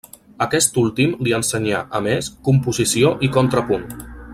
Aquest últim li ensenyà, a més, composició i contrapunt.